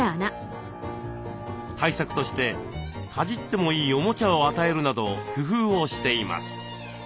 対策としてかじってもいいおもちゃを与えるなど工夫をしています。